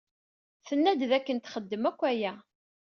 Tenna-d dakken texdem akk aya.